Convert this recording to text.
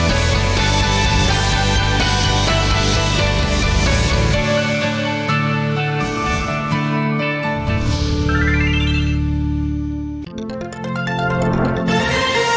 โอโหไทยแลนด์